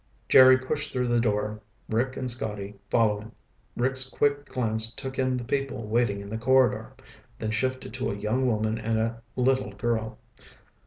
Jerry pushed through the door, Rick and Scotty following. Rick's quick glance took in the people waiting in the corridor, then shifted to a young woman and a little girl.